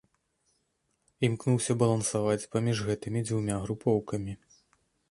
Імкнуўся балансаваць паміж гэтымі дзвюма групоўкамі.